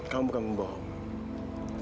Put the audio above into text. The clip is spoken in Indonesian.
kamu bukan pembohong